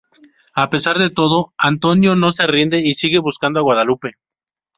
A pesar de todo, Antonio no se rinde y sigue buscando a Guadalupe.